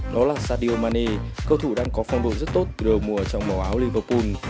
đó là sadio mane cầu thủ đang có phong độ rất tốt từ đầu mùa trong màu áo liverpool